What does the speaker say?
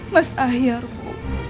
mas ahiar bu